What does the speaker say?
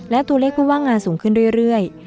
และตัวเลขผู้ว่างงานสูงขึ้นเรื่อย